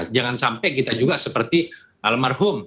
jangan sampai kita juga seperti almarhum